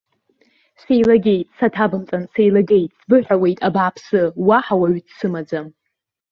Сеилагеит, саҭабымҵан, сеилагеит, сбыҳәауеит абааԥсы, уаҳа уаҩ дсымаӡам!